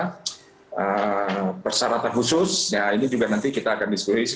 ada persyaratan khusus ya ini juga nanti kita akan diskusi